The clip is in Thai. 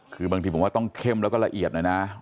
คือบางทีผมว่าต้องเข้มแล้วก็ละเอียดหน่อยนะ